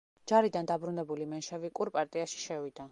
ჯარიდან დაბრუნებული მენშევიკურ პარტიაში შევიდა.